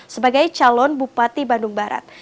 sebagai calon bupati bandung barat